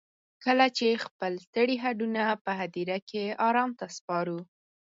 کله چې خپل ستړي هډونه په هديره کې ارام ته سپارو.